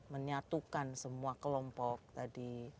menyatukan semua kelompok tadi